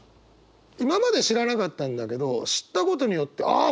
今まで知らなかったんだけど知ったことによってあっ